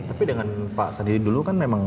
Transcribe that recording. tapi dengan pak sandi dulu kan memang